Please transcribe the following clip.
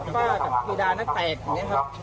ป้ากับเครดานักแตกอย่างนี้ครับ